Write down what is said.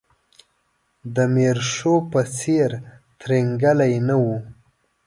د میرشو په څېر ترینګلی نه و.